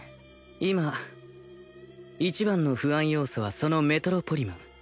今一番の不安要素はそのメトロポリマン